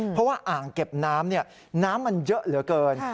เพราะว่าอ่างเก็บน้ำน้ำมันเยอะเหลือเกิน